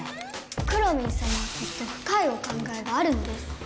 くろミンさまはきっとふかいお考えがあるのです。